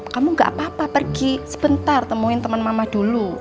kamu gak apa apa pergi sebentar temuin teman mama dulu